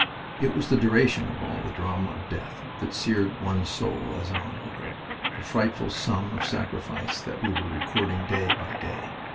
It was the duration of all the drama of death that seared one's soul as an onlooker; the frightful sum of sacrifice that we were recording day by day.